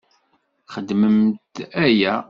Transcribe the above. Xedmemt aya!